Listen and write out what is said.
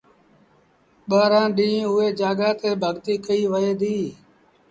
ٻآهرآݩ ڏيݩهݩ اُئي جآڳآ تي ڀڳتيٚ ڪئيٚ وهي ديٚ